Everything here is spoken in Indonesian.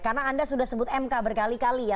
karena anda sudah sebut mk berkali kali ya